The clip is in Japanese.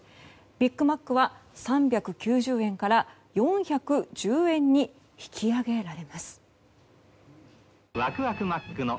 ビッグマックは３９０円から４１０円に引き上げられます。